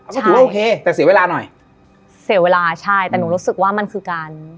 ก็ถือว่าโอเคแต่เสียเวลาหน่อยเสียเวลาใช่แต่หนูรู้สึกว่ามันคือการ